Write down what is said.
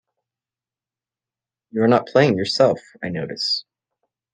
You are not playing yourself, I notice.